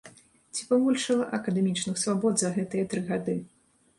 Ці пабольшала акадэмічных свабод за гэтыя тры гады.